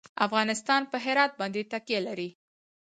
افغانستان په هرات باندې تکیه لري.